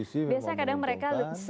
memang menungkukan biasanya kadang mereka